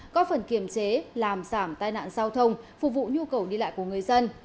có phần kiểm chế làm giảm tai nạn giao thông phục vụ nhu cầu đi lại của người dân